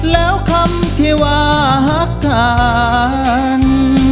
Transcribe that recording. แล้วคำที่หวากทาน